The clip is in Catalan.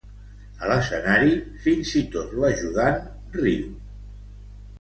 A l'escenari, fins i tot l'ajudant riu.